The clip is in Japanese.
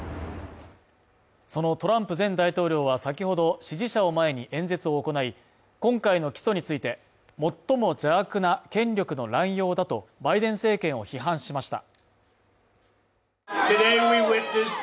そのトランプ前大統領は先ほど、支持者を前に演説を行い、今回の起訴について最も邪悪な権力の乱用だとバイデン政権を批判しました。